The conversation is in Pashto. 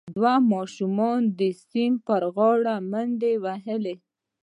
یو دوه ماشومانو د سیند پر غاړه منډې وهلي.